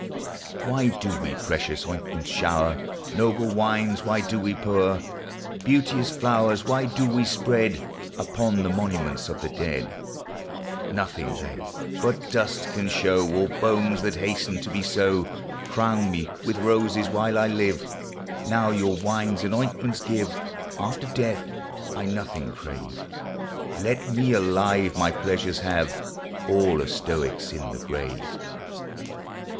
249 Why do we precious ointments show'r ? Noble wines why do we pour ? Beauteous flowers why do we spread, Upon the monuments of the dead ? Nothing they but dust can show, Or bones that hasten to be so. Crown me with roses while I live, Now your wines and ointments give ; After death I nothing crave. Let me alive my pleasures have ; All are Stoics in the grave.